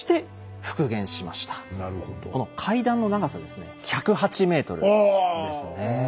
この階段の長さですね１０８ｍですね。